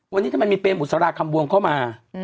วันนี้ทำไมมีเปรมบุษราคำบวงเข้ามา